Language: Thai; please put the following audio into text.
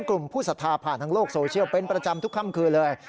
กลุ่มผู้สัทธาผ่านทางโลกโซเชียลเป็นประจำทุกค่ำคืนเลย